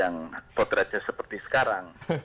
yang potraja seperti sekarang